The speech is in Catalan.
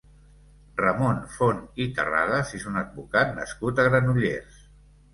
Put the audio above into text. Ramon Font i Terrades és un advocat nascut a Granollers.